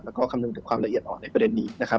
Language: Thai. แล้วก็คำนึงถึงความละเอียดอ่อนในประเด็นนี้นะครับ